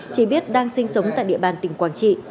chỉ biết đang sinh sống tại địa bàn tỉnh quảng trị